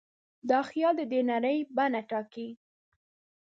دا خیال د ده د نړۍ بڼه ټاکي.